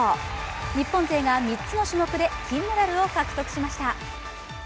日本勢が３つの種目で金メダルを獲得しました。